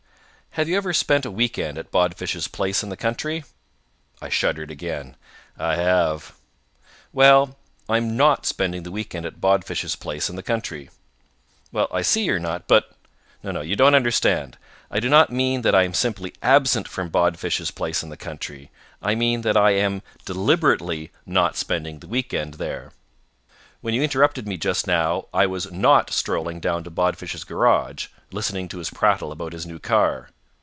"Have you ever spent a weekend at Bodfish's place in the country?" I shuddered again. "I have." "Well, I'm not spending the weekend at Bodfish's place in the country." "I see you're not. But " "You don't understand. I do not mean that I am simply absent from Bodfish's place in the country. I mean that I am deliberately not spending the weekend there. When you interrupted me just now, I was not strolling down to Bodfish's garage, listening to his prattle about his new car."